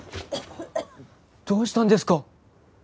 どうしたんですか？